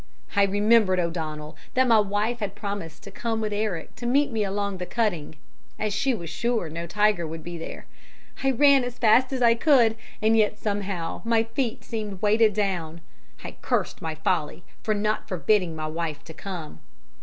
I remembered, O'Donnell, that my wife had promised to come with Eric to meet me along the cutting, as she was sure no tiger would be there. I ran as fast as I could, and yet somehow my feet seemed weighted down. I cursed my folly for not forbidding my wife to come.